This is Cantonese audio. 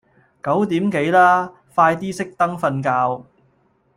九點幾啦，快啲熄燈瞓覺